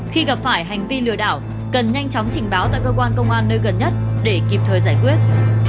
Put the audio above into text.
khi gặp phải hành vi lừa đảo cần nhanh chóng trình báo tại cơ quan công an nơi gần nhất để kịp thời giải quyết